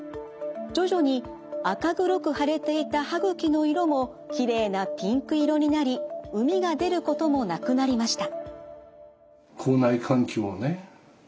徐々に赤黒く腫れていた歯ぐきの色もきれいなピンク色になり膿が出ることもなくなりました。